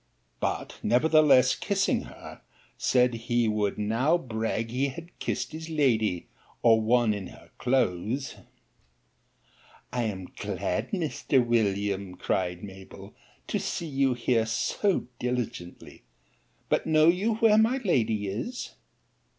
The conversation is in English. but nevertheless, kissing her, said, he would now brag he had kissed his lady, or one in her clothes. 'I am glad, Mr. William, cried Mabell, to see you here so diligently. But know you where my lady is?